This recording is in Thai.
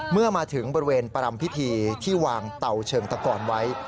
เมื่อมาถึงบริเวณประรำพิธีที่วางเตาเชิงตะกอนไว้